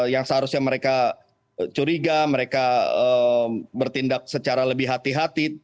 yang seharusnya mereka curiga mereka bertindak secara lebih hati hati